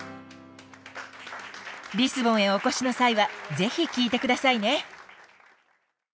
リスボンへお越しの際はぜひ聞いてくださいね。